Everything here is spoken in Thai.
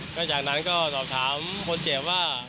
ก็จากนั้นก็สอบถามคนเจ็บว่า